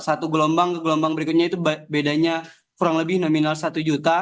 satu gelombang ke gelombang berikutnya itu bedanya kurang lebih nominal satu juta